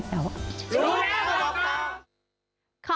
รู้แล้วครับ